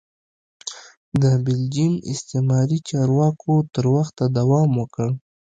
د بلجیم استعماري چارواکو تر وخته دوام وکړ.